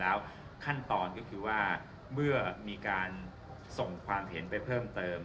แล้วขั้นตอนก็คือว่าเมื่อมีการส่งความเห็นไปเพิ่มเติม